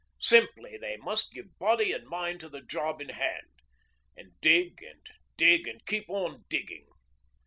Simply they must give body and mind to the job in hand, and dig and dig and keep on digging.